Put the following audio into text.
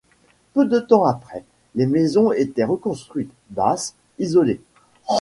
Peu de temps après, les maisons étaient reconstruites, basses, isolées.